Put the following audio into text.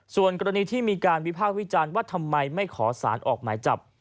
ส่วนกรณีที่มีการวิพากษ์วิจารณ์ว่าทำไมไม่ขอสารออกหมายจับ